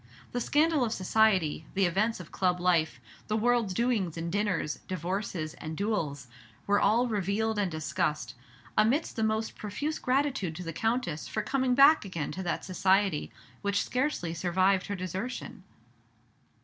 The scandal of society, the events of club life, the world's doings in dinners, divorces, and duels, were all revealed and discussed, amidst the most profuse gratitude to the Countess for coming back again to that society which scarcely survived her desertion.